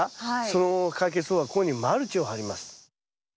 その解決方法はここにマルチを張ります。